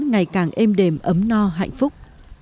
ngày càng êm đềm ấm no hạnh phúc